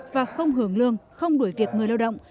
và không hưởng lương không đuổi việc người lao động